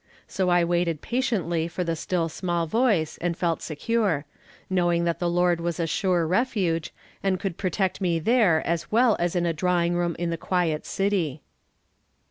So I waited patiently for the still small voice, and felt secure; knowing that the Lord was a sure refuge, and could protect me there as well as in a drawing room in the quiet city.